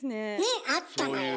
あったのよ。